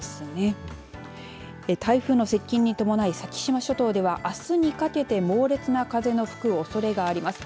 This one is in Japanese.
台風の接近に伴い先島諸島ではあすにかけて猛烈な風の吹くおそれがあります。